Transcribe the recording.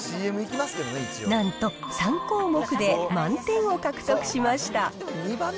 なんと３項目で満点を獲得しました。